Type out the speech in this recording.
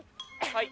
はい。